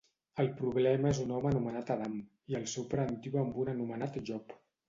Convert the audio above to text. El problema és un home anomenat Adam, i el seu parentiu amb un anomenat Job.